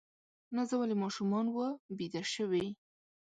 نازولي ماشومان وه بیده شوي